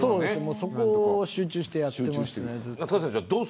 そこを集中してやっています。